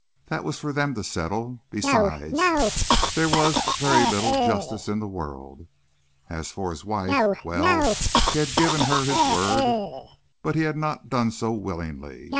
That was for them to settle. Besides, there was very little justice in the world. As for his wife well, he had given her his word, but he had not done so willingly.